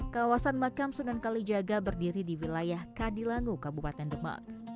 kawasan makam sunan kalijaga berdiri di wilayah kadilangu kabupaten demak